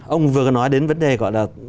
ông vừa nói đến vấn đề gọi là